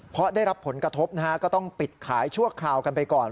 เพราะได้รับผลกระทบนะฮะก็ต้องปิดขายชั่วคราวกันไปก่อน